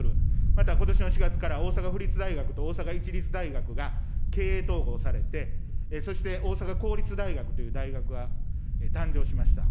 またことしの４月から大阪府立大学と大阪市立大学が経営統合されて、そして大阪公立大学という大学が誕生しました。